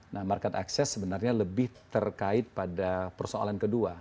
nah market access sebenarnya lebih terkait pada persoalan kedua